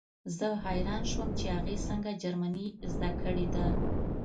زه حیران شوم چې هغې څنګه جرمني زده کړې ده